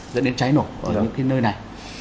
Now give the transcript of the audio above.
dẫn đến cháy nổ ở những nơi này